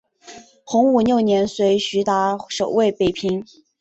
洪武六年随徐达守卫北平。